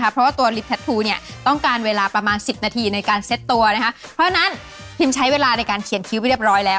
เพราะฉะนั้นพิมใช้เวลาในการเขียนคิ้วไปเรียบร้อยแล้ว